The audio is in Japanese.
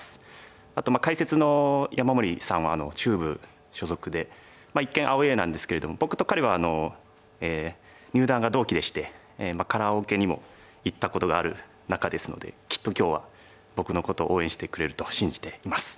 あと解説の山森さんは中部所属で一見アウェーなんですけれども僕と彼は入段が同期でしてカラオケにも行ったことがある仲ですのできっと今日は僕のことを応援してくれると信じています。